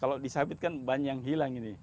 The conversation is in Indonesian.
kalau disabitkan banyak hilang ini